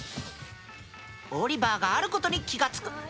オリバーがあることに気が付く。